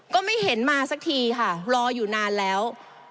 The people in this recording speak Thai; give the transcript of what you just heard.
ก็ไม่เห็นมาสักทีค่ะรออยู่นานแล้ว